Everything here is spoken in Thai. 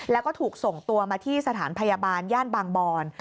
แล้วก็ถูกส่งตัวมาที่สถานพยาบาลย่านบางบอน